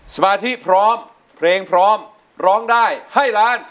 สมาธิพร้อมเพลงพร้อมร้องได้ให้ล้าน